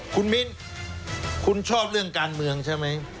คุณมิ้นคุณชอบเรื่องการเมืองใช่ไหม